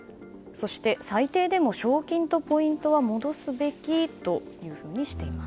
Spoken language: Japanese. そして最低でも賞金とポイントは戻すべきというふうにしています。